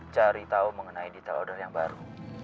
cari tahu mengenai detail order yang baru